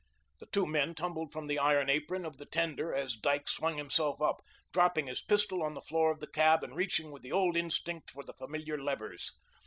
The two men tumbled from the iron apron of the tender as Dyke swung himself up, dropping his pistol on the floor of the cab and reaching with the old instinct for the familiar levers.